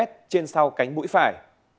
trên sau cánh bũi phải